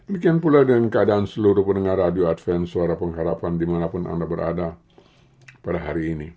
demikian pula dengan keadaan seluruh pendengar radio adven suara pengharapan dimanapun anda berada pada hari ini